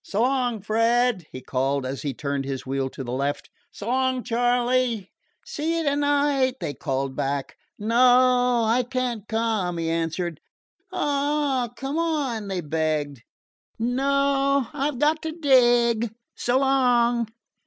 "So long, Fred," he called as he turned his wheel to the left. "So long, Charley." "See you to night!" they called back. "No I can't come," he answered. "Aw, come on," they begged. "No, I've got to dig. So long!"